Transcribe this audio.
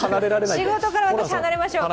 仕事から離れましょうか。